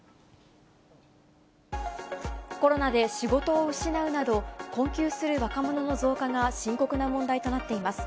コロナで仕事を失うなど、困窮する若者の増加が深刻な問題となっています。